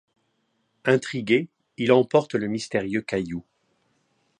Intrigué, il emporte le mystérieux caillou.